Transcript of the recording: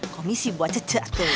komisi buat cece